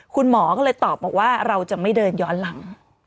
คุณหมอก็เลยตอบบอกว่าเราจะไม่เดินย้อนหลัง